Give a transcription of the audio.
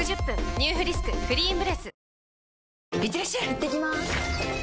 いってきます！